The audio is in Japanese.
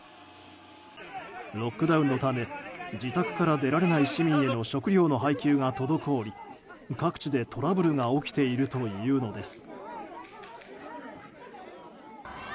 ロックダウンのため自宅から出られない市民への食料の配給が滞り各地でトラブルが起きているというのです。